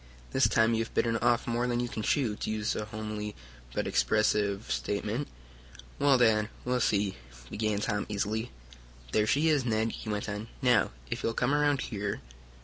This time you have bitten off more than you can chew, to use a homely but expressive statement." "Well, Dad, we'll see," began Tom easily. "There she is, Ned," he went on. "Now, if you'll come around here..."